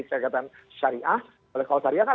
kegiatan syariah kalau syariah kan